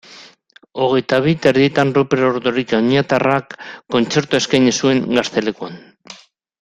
Hogeita bi eta erdietan Ruper Ordorika oñatiarrak kontzertua eskaini zuen Gaztelekuan.